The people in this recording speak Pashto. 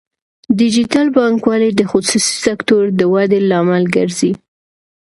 ډیجیټل بانکوالي د خصوصي سکتور د ودې لامل ګرځي.